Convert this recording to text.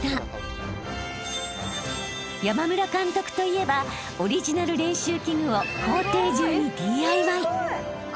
［山村監督といえばオリジナル練習器具を校庭中にＤＩＹ］